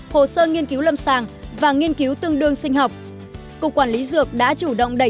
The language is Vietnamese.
hồ sơ nghiên cứu lâm sàng và nghiên cứu tương đương sinh học cục quản lý dược đã chủ động đẩy